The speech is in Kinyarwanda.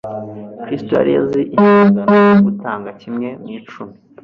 Kristo yari azi inshingano yo gutanga kimwe mu icumi;